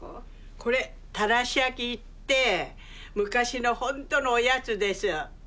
これ「たらし焼き」って昔のほんとのおやつです。